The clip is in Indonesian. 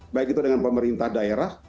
baik itu dengan pemerintah daerah